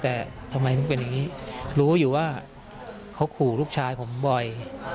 แต่ทำไมถึงเป็นอย่างนี้รู้อยู่ว่าเขาขู่ลูกชายผมบ่อย